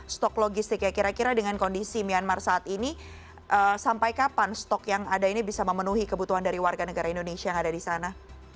stok logistik ya kira kira dengan kondisi myanmar saat ini sampai kapan stok yang ada ini bisa memenuhi kebutuhan dari warga negara indonesia yang ada di sana